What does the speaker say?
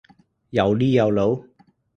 又呢又路？